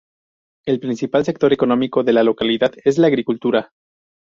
El principal sector económico de la localidad es la agricultura.